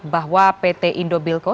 bahwa pt indobilco